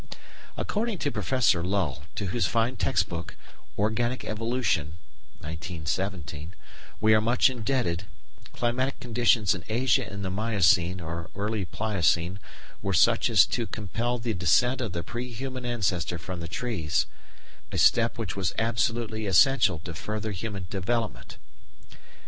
According to Professor Lull, to whose fine textbook, Organic Evolution (1917), we are much indebted, "climatic conditions in Asia in the Miocene or early Pliocene were such as to compel the descent of the pre human ancestor from the trees, a step which was absolutely essential to further human development."